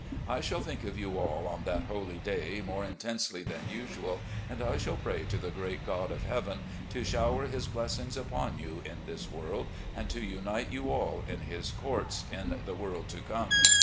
I shall think of you all on that holy day more intensely than usual, and shall pray to the great God of Heaven to shower His blessings upon you in this world, and to unite you all in His courts in the world to come.